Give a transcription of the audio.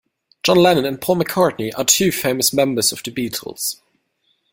John Lennon and Paul McCartney are two famous members of the Beatles.